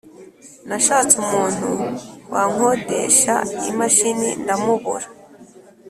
Nashatse umuntu wankodesha imashini ndamubura